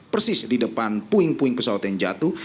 persis di depan puing puing pesawat yang jatuh